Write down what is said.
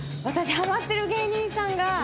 私ハマってる芸人さんが。